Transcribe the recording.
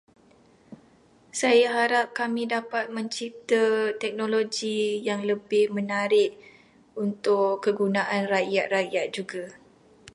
Saya harap kami dapat mencipta teknologi yang lebih menarik untuk kegunaan rakyat-rakyat juga,